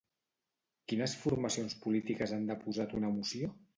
Quines formacions polítiques han deposat una moció?